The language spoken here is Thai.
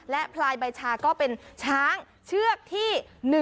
และพลายใบชาก็เป็นช้างเชือกที่๑